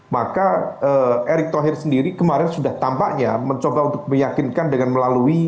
maka erik thohir sendiri kemarin sudah tampaknya mencoba untuk meyakinkan dengan melakukan sesuatu